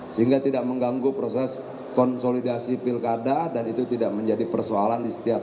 sehingga tidak mengganggu proses konsolidasi pilkada dan itu tidak menjadi persoalan di setiap